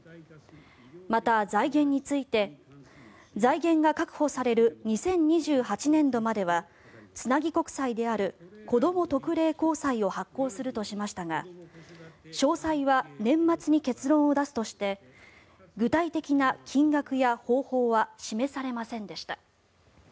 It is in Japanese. また、財源について財源が確保される２０２８年度まではつなぎ国債であるこども特例公債を発行するとしましたが詳細は年末に結論を出すとして具体的な金額や方法は示されませんでした。